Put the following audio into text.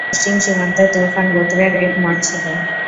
পশ্চিম সীমান্তে তুরফান গোত্রের এক মঠ ছিল।